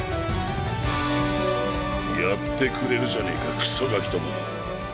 やってくれるじゃねえかクソガキども。